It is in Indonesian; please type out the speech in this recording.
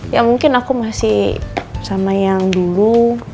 ya mungkin aku masih sama yang dulu